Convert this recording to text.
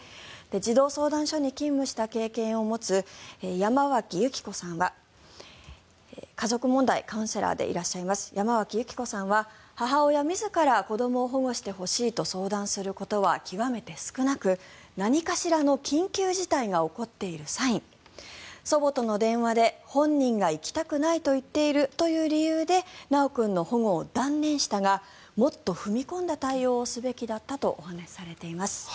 児童相談所に勤務した経験を持つ家族問題カウンセラーでいらっしゃいます山脇由貴子さんは母親自ら子どもを保護してほしいと相談することは極めて少なく何かしらの緊急事態が起こっているサイン祖母との電話で本人が行きたくないと言っているという理由で修君の保護を断念したがもっと踏み込んだ対応をすべきだったとお話しされています。